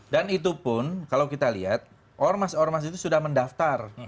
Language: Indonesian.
dan itu pun kalau kita lihat ormas ormas itu sudah mendaftar